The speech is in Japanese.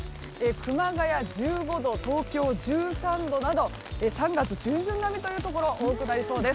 熊谷、１５度東京、１３度など３月中旬並みというところが多くなりそうです。